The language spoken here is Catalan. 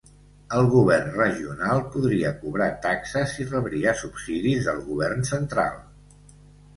El govern regional podria cobrar taxes i rebria subsidis del govern central.